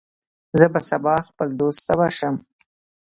زه به سبا خپل دوست ته ورشم.